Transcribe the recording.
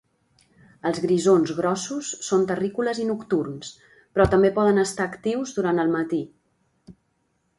Els grisons grossos són terrícoles i nocturns, però també poden estar actius durant el matí.